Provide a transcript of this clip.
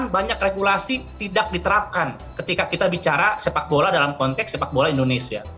banyak regulasi tidak diterapkan ketika kita bicara sepak bola dalam konteks sepak bola indonesia